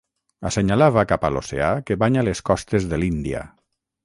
Assenyalava cap a l'oceà que banya les costes de l'Índia.